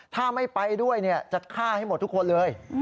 ถ้าไม่ไปด้วยจะฆ่าให้หมดทุกคนเลย